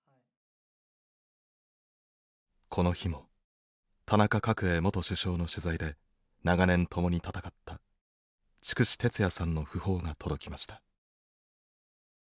この日も田中角栄元首相の取材で長年共に闘った筑紫哲也さんの訃報が届きました。